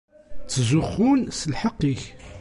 Ttzuxxun s lḥeqq-ik.